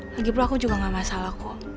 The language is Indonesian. lagipula aku juga nggak masalah ko